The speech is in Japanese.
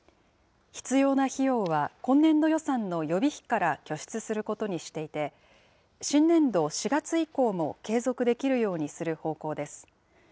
必要な費用は今年度予算の予備費から拠出することにしていて、新年度・４月以降も継続できるようにする方向です。